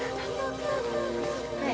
はい。